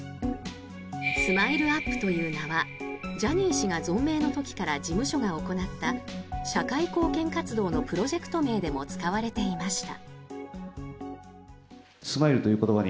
ＳＭＩＬＥ−ＵＰ．という名はジャニー氏が存命の時から事務所が行った社会貢献活動のプロジェクト名でも使われていました。